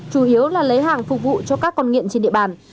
chủ yếu là lấy hàng phục vụ cho các con nghiện trên địa bàn